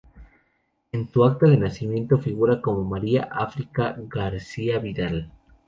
En su acta de nacimiento figura como María África Gracia Vidal.